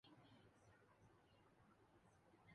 وہ نشاط آہ سحر گئی وہ وقار دست دعا گیا